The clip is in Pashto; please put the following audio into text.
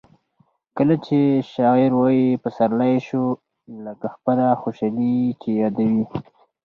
کله چي شاعر وايي پسرلی سو؛ لکه خپله خوشحالي چي یادوي.